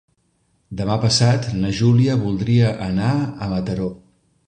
Demà passat na Júlia voldria anar a Mataró.